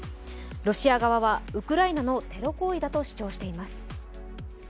ロシア側はウクライナのテロ行為だと主張しています。